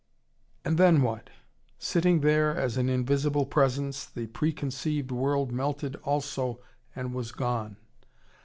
And then what? Sitting there as an invisible presence, the preconceived world melted also and was gone.